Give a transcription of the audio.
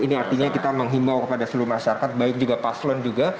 ini artinya kita menghimbau kepada seluruh masyarakat baik juga paslon juga